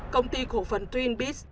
công ty cổ phần twin beach